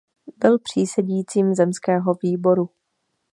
Byl přísedícím zemského výboru.